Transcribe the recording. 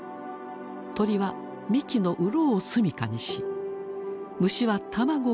鳥は幹のうろを住みかにし虫は卵を産み付ける。